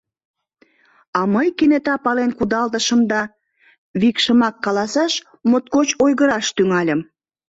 А мый кенета пален кудалтышым да, викшымак каласаш, моткоч ойгыраш тӱҥальым: